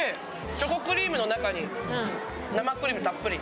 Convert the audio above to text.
チョコクリームの中に生クリームたっぷり。